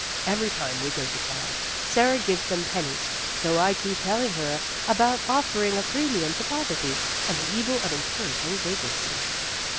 Every time we go to town, Sara gives them pennies, though I keep telling her about offering a premium to poverty, and the evil of encouraging vagrancy."